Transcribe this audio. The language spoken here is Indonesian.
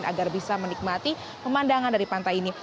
agar bisa menikmati pemandangan dari pantai ini